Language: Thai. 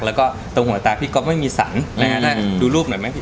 แล้วก็ตรงหัวตาพี่ก๊อปไม่มีสันดูรูปหน่อยไหมพี่